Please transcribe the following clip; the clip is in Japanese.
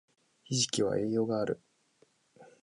ひじきは栄養がある